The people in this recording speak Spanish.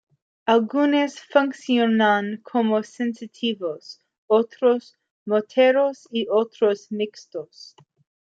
Algunos funcionan como sensitivos, otros motores y otros mixtos.